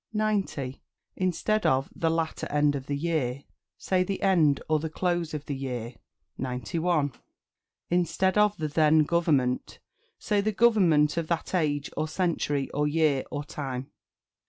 90. Instead of "The latter end of the year," say "The end, or the close of the year." 91. Instead of "The then government," say "The government of that age, or century, or year, or time."